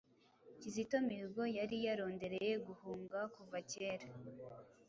Kizito Mihigo yari yarondereye guhunga kuva kera.